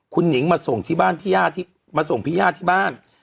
คุณหนิงมาส่งที่บ้านพี่ย่าที่มาส่งพี่ย่าที่บ้าน